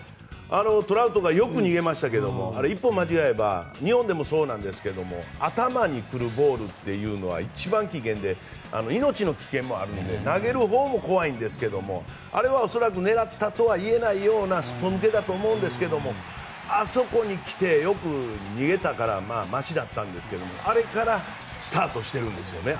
トラウトがよく逃げましたけどあれは一歩間違えば日本でもそうですが頭に来るボールというのは一番危険で命の危険もあるので投げるほうも怖いんですけどあれは恐らく狙ったとはいえないようなすっぽ抜けだと思うんですがあそこに来てよけたからましだったんですがあそこからスタートしてるんですよね。